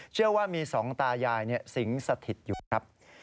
เชื่อว่ามีสองตายายสิงสถิตอยู่ครับ